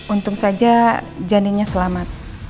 untung saja janinnya selamat